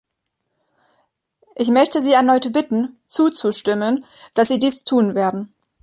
Ich möchte Sie erneut bitten, zuzustimmen, dass Sie dies tun werden.